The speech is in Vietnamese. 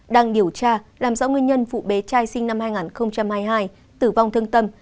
đang điều tra làm rõ nguyên nhân vụ bé trai sinh năm hai nghìn hai mươi hai tử vong thương tâm